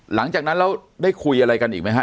หลังจากนั้นแล้วได้คุยอะไรกันอีกไหมฮ